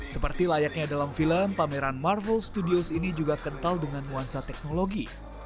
seperti layaknya dalam film pameran marvel studios ini juga kental dengan nuansa teknologi